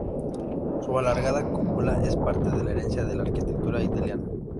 Su alargada cúpula es parte de la herencia de la arquitectura italiana.